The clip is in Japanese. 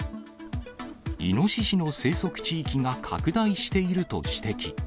イノシシの生息地域が拡大していると指摘。